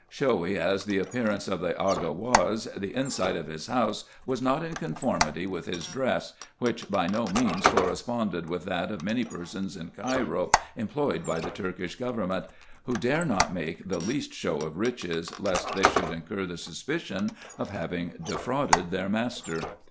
Showy as the appearance of the Aga was, the inside of his house was not in conformity with his dress, which by no means corresponded with that of many persons in Cairo employed by the Turkish govern ment ; who dare not make the least show of riches, lest they should incur the suspicion of having defrauded their master.